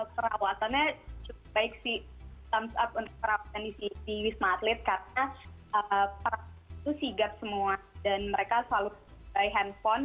perawatannya cukup baik sih ⁇ ms up untuk perawatan di wisma atlet karena perawatan itu sigap semua dan mereka selalu pakai handphone